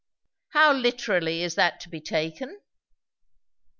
"How literally is that to be taken?"